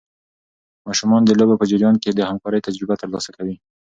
ماشومان د لوبو په جریان کې د همکارۍ تجربه ترلاسه کوي.